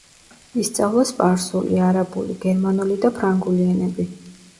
ისწავლა სპარსული, არაბული, გერმანული და ფრანგული ენები.